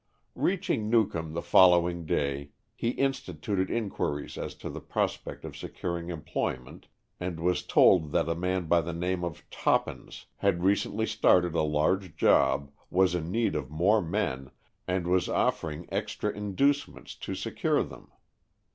Reaching Newcomb the following day he instituted inquiries as to the prospect of securing employment and was told Stories from the Adirondack^. that a man by the name of Tophans had recently started a large job, was in need of more men and was offering extra in ducements to secure them.